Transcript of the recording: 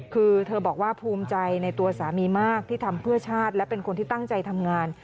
คือเธอบอกว่าภูมิใจในตัวสามีมากที่ทำเพื่อชาติและเป็นคนที่ตั้งใจทำงาน